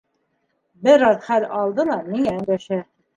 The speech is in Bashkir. Бер аҙ хәл алды ла миңә өндәшә.